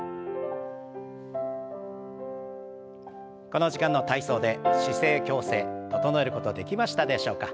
この時間の体操で姿勢矯正整えることできましたでしょうか？